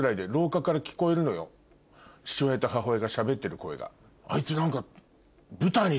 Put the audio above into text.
父親と母親がしゃべってる声が。